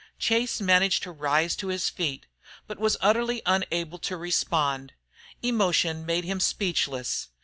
Chase managed to rise to his feet, but was utterly unable to respond. Emotion made him speechless.